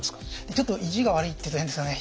ちょっと意地が悪いっていうと変ですかね。